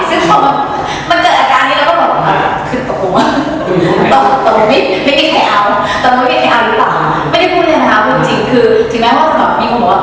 ซึ่งอาจารย์บอกว่าเกิดอากาศนี้เราก็ก็ว่าน่ะ